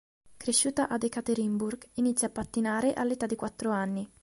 Cresciuta ad Ekaterinburg, inizia a pattinare all'età di quattro anni.